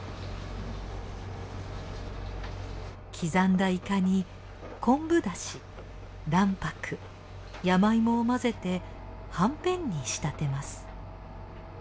刻んだイカに昆布だし卵白山芋を混ぜてはんぺんに仕立てます。